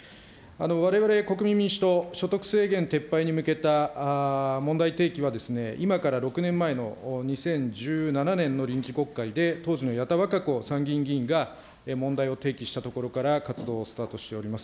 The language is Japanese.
われわれ、国民民主党、所得制限撤廃に向けた問題提起は、今から６年前の２０１７年の臨時国会で当時のやたわかこ参議院議員が問題を提起したところから活動をスタートしております。